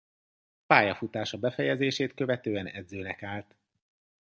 Pályafutása befejezését követően edzőnek állt.